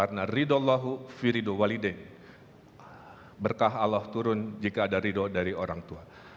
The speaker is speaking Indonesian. berkah allah turun jika ada ridho dari orang tua